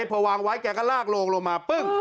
พอวางไว้แกก็ลากโลงลงมาปึ้ง